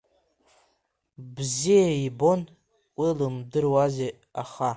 Бзиа ибон, уи лымдыруази аха.